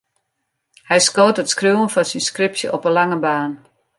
Hy skoot it skriuwen fan syn skripsje op 'e lange baan.